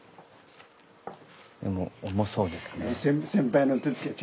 でも重そうですね。